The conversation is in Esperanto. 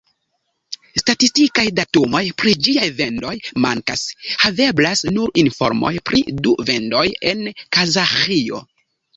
Statistikaj datumoj pri ĝiaj vendoj mankas, haveblas nur informoj pri du vendoj en Kazaĥio.